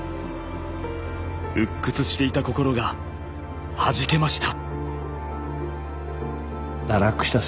鬱屈していた心がはじけました。